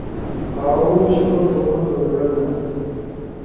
اؤ شروع تھونو ضرورت ہنی۔